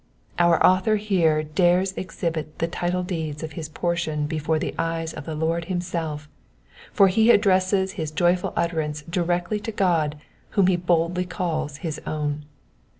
Our author here dares exhibit the title deeds of his portion before the eye of the Lord himself, for he addresses his joyful utterance directly to God whom he boldly calls his own.